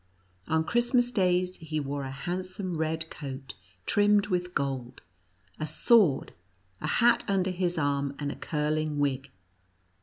On Christmas days he wore a handsome red coat trimmed with gold, a sword, a hat under his arm, and a curling wig.